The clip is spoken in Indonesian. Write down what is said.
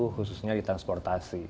khususnya di transportasi